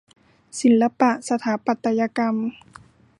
ศิลปะสถาปัตยกรรม